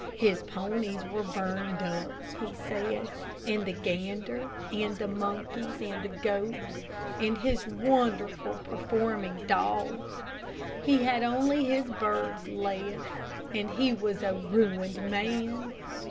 His ponies were burned up, he said, and the gander, and the monkeys, and the goats, and his wonderful performing dogs. He had only his birds left, and he was a ruined man.